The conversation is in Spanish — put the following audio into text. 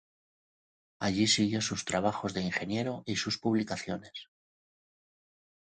Allí siguió sus trabajos de ingeniero y sus publicaciones.